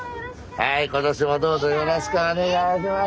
はい今年もどうぞよろしくお願いします。